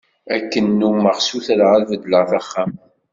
Akken nummeɣ sutreɣ ad beddleɣ taxxamt.